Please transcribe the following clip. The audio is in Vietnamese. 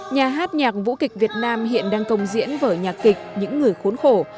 nhà hát nhạc vũ kịch việt nam hiện đang công diễn vở nhạc kịch những người khốn khổ